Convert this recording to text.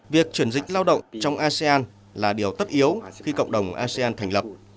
việc chuyển dịch lao động trong asean là điều tất yếu khi cộng đồng asean thành lập